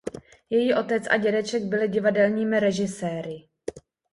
Její otec a dědeček byli divadelními režiséry.